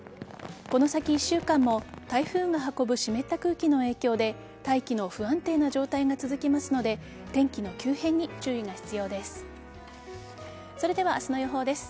この先一週間も台風が運ぶ湿った空気の影響で大気の不安定な状態が続きますので天気の急変に注意が必要です。